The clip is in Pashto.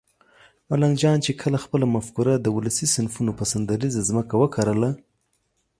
ملنګ جان چې کله خپله مفکوره د ولسي صنفونو پر سندریزه ځمکه وکرله